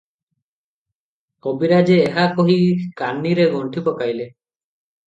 କବିରାଜେ ଏହା କହି କାନିରେ ଗଣ୍ଠି ପକାଇଲେ ।